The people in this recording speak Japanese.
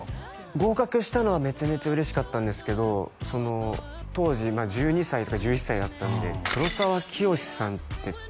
合格したのはめちゃめちゃ嬉しかったんですけど当時１２歳とか１１歳だったんで黒沢清さんって誰？